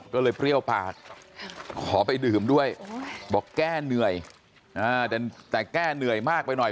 ก็เลยเปรี้ยวปากขอไปดื่มด้วยบอกแก้เหนื่อยแต่แก้เหนื่อยมากไปหน่อย